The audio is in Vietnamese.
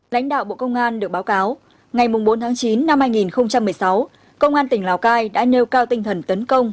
lãnh đạo bộ công an được báo cáo ngày bốn tháng chín năm hai nghìn một mươi sáu công an tỉnh lào cai đã nêu cao tinh thần tấn công